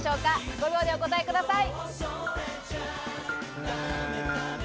５秒でお答えください。